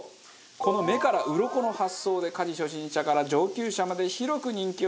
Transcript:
この目から鱗の発想で家事初心者から上級者まで広く人気を集めました。